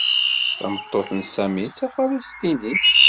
Tameṭṭut n Sami d Tafalesṭinit.